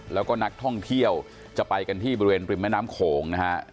แล้วก็นักท่องเที่ยวจะไปกันที่บริเวณริมแม่น้ำโขงนะฮะ